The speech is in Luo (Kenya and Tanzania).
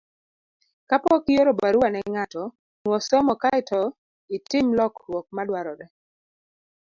Kapok ioro barua ne ng'ato, nuo some kae to itim lokruok madwarore.